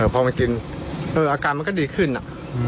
พอมากินเอออาการมันก็ดีขึ้นอะ